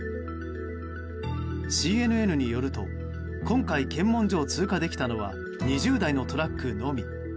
ＣＮＮによると今回、検問所を通過できたのは２０台のトラックのみ。